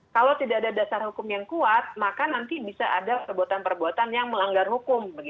kalau tidak ada dasar hukum yang kuat maka nanti bisa ada perbuatan perbuatan yang melanggar hukum